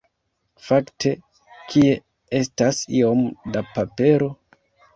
Fakte, kie estas iom da papero?